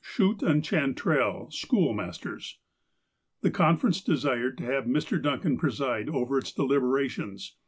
Schutt and Chantrel, school masters. The conference desired to have Mr. Duncan preside over its deliberations.